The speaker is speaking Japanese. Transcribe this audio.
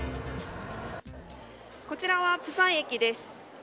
こちらは釜山駅です。